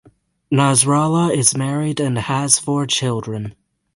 Nasrallah is married and has four children.